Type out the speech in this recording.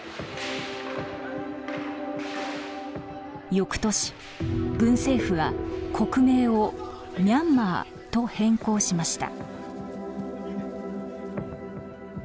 翌年軍政府は国名をミャンマーと変更しました。